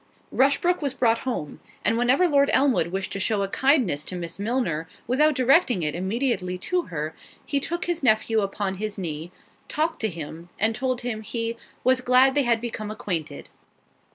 Rushbrook was brought home; and whenever Lord Elmwood wished to shew a kindness to Miss Milner, without directing it immediately to her, he took his nephew upon his knee, talked to him, and told him, he "Was glad they had become acquainted."